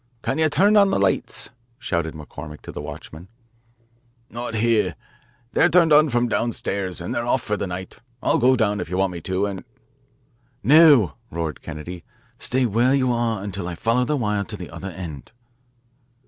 "Can't you turn on the lights?" shouted McCormick to the watchman. "Not here. They're turned on from downstairs, and they're off for the night. I'll go down if you want me to and " "No," roared Kennedy. "Stay where you are until I follow the wire to the other end."